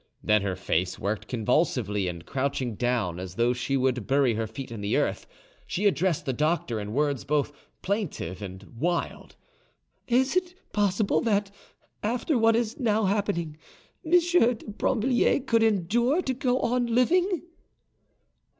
Then her face worked convulsively, and crouching down, as though she would bury her feet in the earth, she addressed the doctor in words both plaintive and wild: "Is it possible that, after what is now happening, M. de Brinvilliers can endure to go on living?"